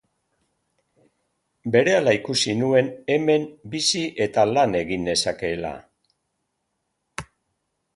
Berehala ikusi nuen hemen bizi eta lan egin nezakeela.